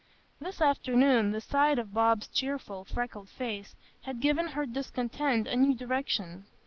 This afternoon, the sight of Bob's cheerful freckled face had given her discontent a new direction.